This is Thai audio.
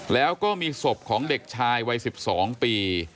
แล้วก็มีศพของเด็กชายวัย๑๒ปี